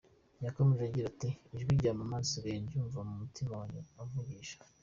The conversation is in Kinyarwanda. Yakomeje agira ati: “Ijwi rya mama nsigaye ndyumva mu mutima wanjye amvugisha.